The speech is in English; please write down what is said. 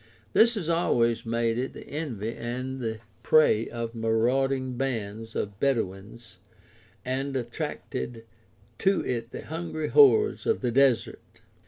This has always made it the envy and the prey of marauding bands of Bedouins and attracted to it the hungry hordes of the desert.